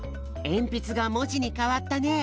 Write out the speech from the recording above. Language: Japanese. えんぴつがもじにかわったね。